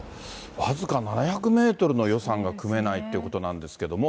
僅か７００メートルの予算が組めないっていうことなんですけど。